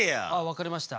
わかりました。